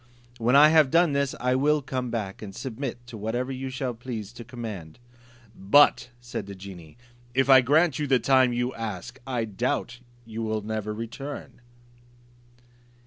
When I have done this, I will come back and submit to whatever you shall please to command." "But," said the genie, "if I grant you the time you ask, I doubt you will never return?"